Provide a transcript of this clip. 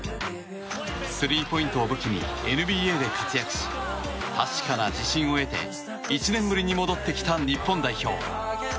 スリーポイントを武器にＮＢＡで活躍し確かな自信を得て１年ぶりに戻ってきた日本代表。